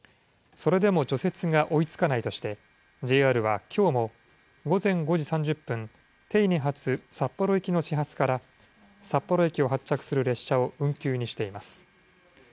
それでも除雪が追いつかないとして、ＪＲはきょうも午前５時３０分、手稲発札幌行きの始発から、札幌駅を発着する列車を運休にしています。